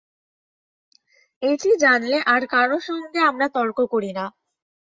এইটি জানলে আর কারও সঙ্গে আমরা তর্ক করি না।